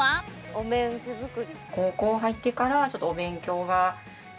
お面手作り。